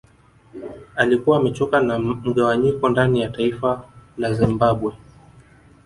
Alikuwa amechoka na mgawanyiko ndani ya taifa la Zimbabwe